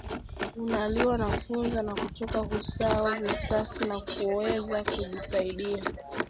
unaliwa na funza na kutoka usaha ovyo pasi na kuweza kujisaidia